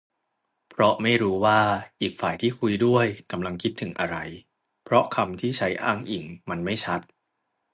เพราะไม่รู้ว่าอีกฝ่ายที่คุยด้วยกำลังคิดถึงอะไร เพราะคำที่ใช้อ้างอิงมันไม่ชัด